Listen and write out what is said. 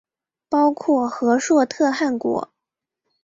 包括和硕特汗国。